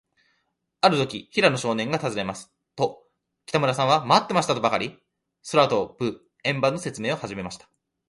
あるとき、平野少年がたずねますと、北村さんは、まってましたとばかり、空とぶ円盤のせつめいをはじめました。